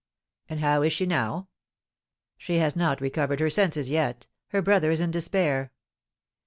"And how is she now?" "She has not recovered her senses yet; her brother is in despair."